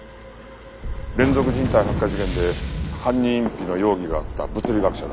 連続人体発火事件で犯人隠避の容疑があった物理学者だ。